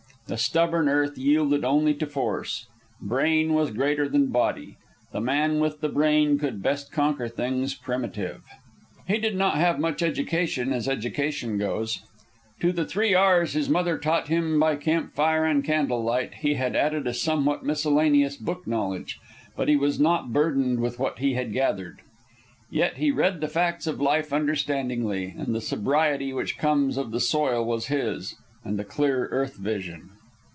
The stubborn earth yielded only to force. Brain was greater than body. The man with the brain could best conquer things primitive. He did not have much education as education goes. To the three R's his mother taught him by camp fire and candle light, he had added a somewhat miscellaneous book knowledge; but he was not burdened with what he had gathered. Yet he read the facts of life understandingly, and the sobriety which comes of the soil was his, and the clear earth vision.